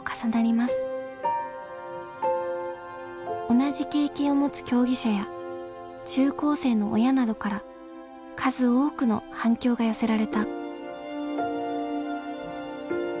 同じ経験を持つ競技者や中高生の親などから数多くの反響が寄せられた。